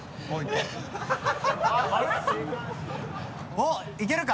おっいけるか？